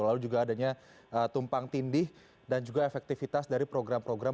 lalu juga adanya tumpang tindih dan juga efektivitas dari program program